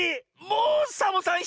もうサボさん